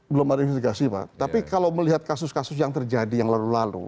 belum ada investigasi pak tapi kalau melihat kasus kasus yang terjadi yang lalu lalu